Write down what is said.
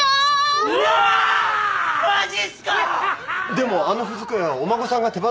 でもあの文机はお孫さんが手放さないって。